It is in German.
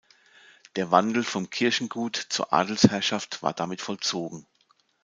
Der Wandel vom Kirchengut zur Adelsherrschaft war damit vollzogen.